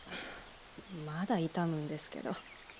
まだ痛むんですけど。